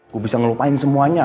gue bisa ngelupain semuanya